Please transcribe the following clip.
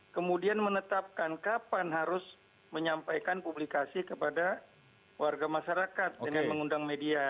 kemudian menetapkan kapan harus menyampaikan publikasi kepada warga masyarakat dengan mengundang media